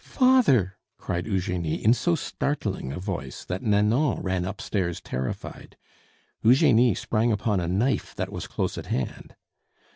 "Father!" cried Eugenie in so startling a voice that Nanon ran upstairs terrified. Eugenie sprang upon a knife that was close at hand.